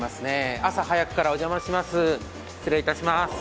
朝早くからお邪魔します。